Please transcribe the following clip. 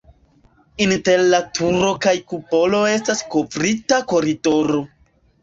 Inter la turo kaj kupolo estas kovrita koridoro.